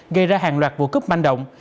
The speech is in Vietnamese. gây ra hàng loạt vụ cướp manh động